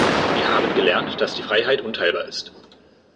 Wir haben gelernt, dass die Freiheit unteilbar ist.